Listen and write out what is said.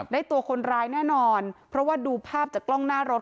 ได้ตัวคนร้ายแน่นอนเพราะว่าดูภาพจากกล้องหน้ารถ